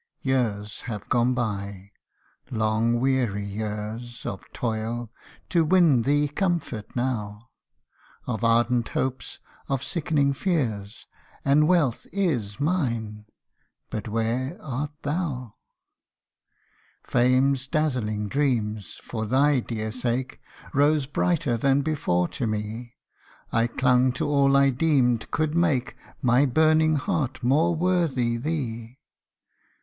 Years have gone by long weary years Of toil, to win thee comfort now Of ardent hopes of sickening fears And wealth is mine but where art thou ? Fame's dazzling dreams, for thy dear sake, Rose brighter than before to me ; I clung to all I deemed could make My burning heart more worthy thee.